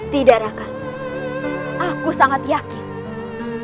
tidak rakan aku sangat yakin